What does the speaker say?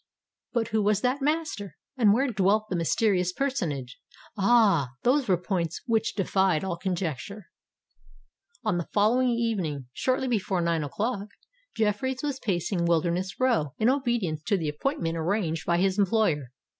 But who was that master?—and where dwelt the mysterious personage? Ah! these were points which defied all conjecture. On the following evening, shortly before nine o'clock, Jeffreys was pacing Wilderness Row, in obedience to the appointment arranged by his employer.